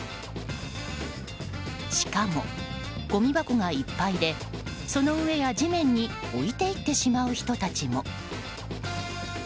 しかも、ごみ箱がいっぱいでその上や地面に置いていってしまう人たちも。